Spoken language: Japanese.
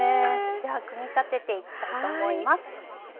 では組み立てていきたいと思います。